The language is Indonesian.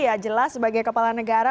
ya jelas sebagai kepala negara